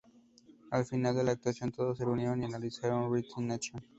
Al final de la actuación todos se reunieron y realizaron "Rhythm Nation".